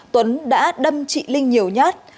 tuấn đã đâm chị linh nhiều nhát